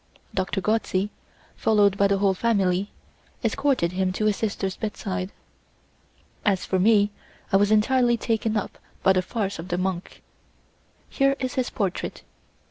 Doctor Gozzi, followed by the whole family, escorted him to his sister's bedside. As for me, I was entirely taken up by the face of the monk. Here is his portrait.